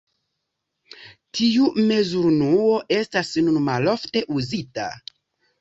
Tiu mezurunuo estas nun malofte uzita.